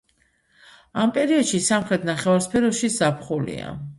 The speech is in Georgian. ამ პერიოდში სამხრეთ ნახევარსფეროში ზაფხულია.